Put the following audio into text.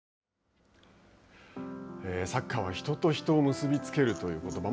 サッカーは人と人を結び付けるということば。